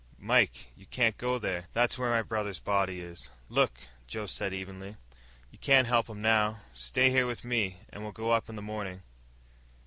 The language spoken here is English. "Mike, you can't go there!" "That's where my brother's body is." "Look," Jerry said evenly, "you can't help him now. Stay here with me, and we'll go up in the morning."